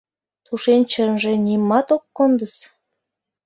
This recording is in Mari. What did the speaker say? — Тушечынже нимат ок кондыс!